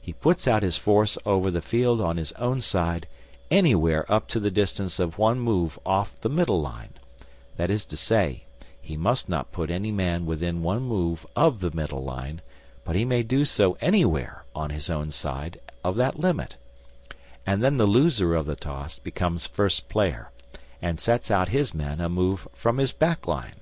He puts out his force over the field on his own side, anywhere up to the distance of one move off the middle line that is to say, he must not put any man within one move of the middle line, but he may do so anywhere on his own side of that limit and then the loser of the toss becomes first player, and sets out his men a move from his back line.